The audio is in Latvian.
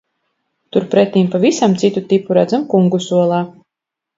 Turpretim pavisam citu tipu redzam kungu solā.